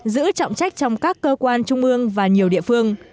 giữ trọng trách trong các cơ quan trung ương và nhiều địa phương